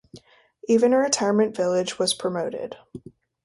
Even a retirement village was promoted.